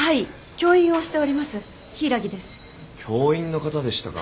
教員の方でしたか。